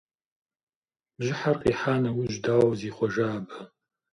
Бжьыхьэр къихьа нэужь, дауэ зихъуэжа абы?